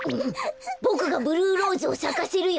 ボクがブルーローズをさかせるよ！